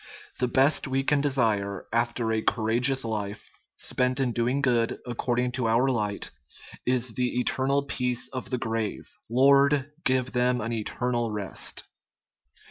The best we can desire after a courageous life, spent in doing good according to our light, is the eternal peace of the grave. " Lord, give them an eternal rest."